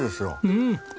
うん。